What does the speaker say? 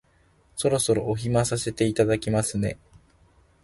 そろそろお暇させていただきますね